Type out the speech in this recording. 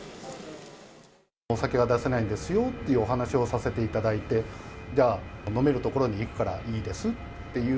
お酒は出せないですよというお話をさせていただいて、じゃあ、飲める所に行くからいいですっていう。